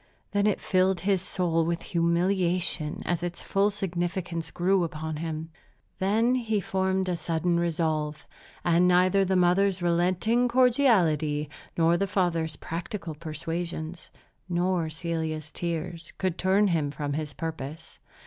Then it filled his soul with humiliation as its full significance grew upon him. Then he formed a sudden resolve; and neither the mother's relenting cordiality, nor the father's practical persuasions, nor Celia's tears, could turn him from his purpose.